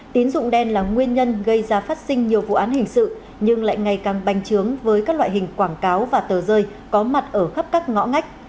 tín dụng đen là nguyên nhân gây ra phát sinh nhiều vụ án hình sự nhưng lại ngày càng bành trướng với các loại hình quảng cáo và tờ rơi có mặt ở khắp các ngõ ngách